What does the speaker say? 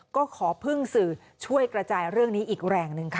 ก็ขอพึ่งสื่อช่วยกระจายเรื่องนี้อีกแรงหนึ่งค่ะ